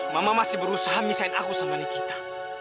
mama masih berusaha mesiin aku sama nikita